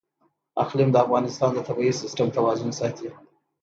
اقلیم د افغانستان د طبعي سیسټم توازن ساتي.